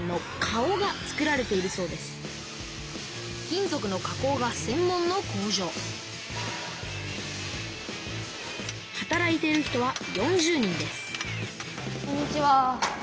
金ぞくの加工がせん門の工場働いている人は４０人ですこんにちは。